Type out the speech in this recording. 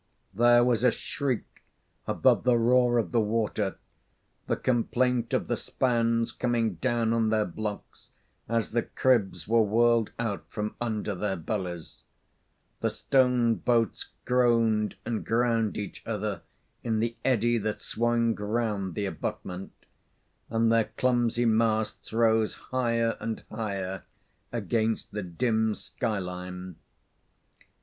There was a shriek above the roar of the water, the complaint of the spans coming down on their blocks as the cribs were whirled out from under their bellies. The stone boats groaned and ground each other in the eddy that swung round the abutment, and their clumsy masts rose higher and higher against the dim sky line.